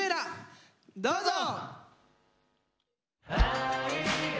どうぞ！